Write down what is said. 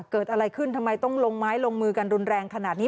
เกิดอะไรขึ้นทำไมต้องลงไม้ลงมือกันรุนแรงขนาดนี้